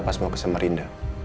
pas mau ke semarinda